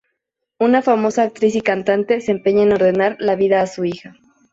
Una famosa actriz y cantante se empeña en ordenarle la vida a su hija.